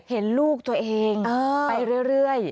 เห็นลูกตัวเองไปเรื่อย